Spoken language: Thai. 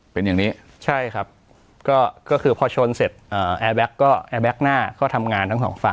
เป็นอย่างนี้ใช่ครับก็ก็คือพอชมเสร็จแอร์แบคก็แอร์แบคหน้าเขาทำงานทั้ง